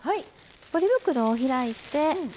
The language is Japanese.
ポリ袋を開いて。